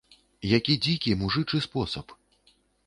Які дзікі, мужычы спосаб.